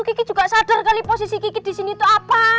geki juga sadar kali posisi geki disini itu apa